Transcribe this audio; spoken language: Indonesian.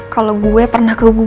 kalau gue pernah keguguran